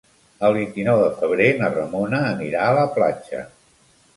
El vint-i-nou de febrer na Ramona anirà a la platja.